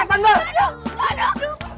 aduh aduh aduh